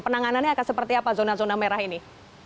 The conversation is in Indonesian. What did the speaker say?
penanganannya akan seperti apa zona zona merah ini